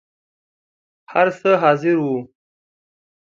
هر څه حاضر وو.